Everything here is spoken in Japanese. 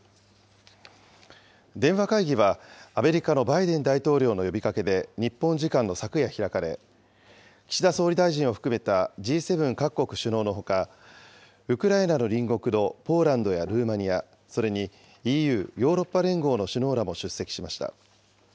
電話会議は、アメリカのバイデン大統領の呼びかけで、日本時間の昨夜開かれ、岸田総理大臣を含めたＧ７各国首脳のほか、ウクライナの隣国のポーランドやルーマニア、それにＥＵ・ヨーロッパ連合の首脳らも出席しました。